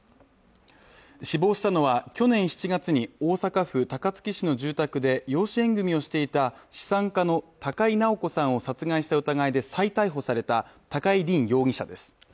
死亡したのは、去年７月に大阪府高槻市の住宅で養子縁組をしていた資産家の高井直子さんを殺害した疑いで再逮捕された高井凛容疑者です。